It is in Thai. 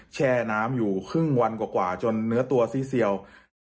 แช่น้ำอยู่ครึ่งวันกว่าจนเนื้อตัวซี่เซียว